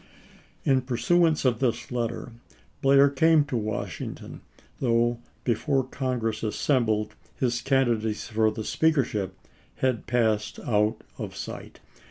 In pursuance of this letter Blair came to Wash ington, though before Congress assembled his can didacy for the Speakership had passed out of sight.